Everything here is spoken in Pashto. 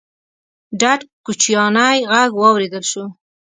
ډډ کوچيانی غږ واورېدل شو: